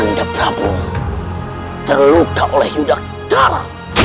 nanda prabowo terluka oleh yudhakthara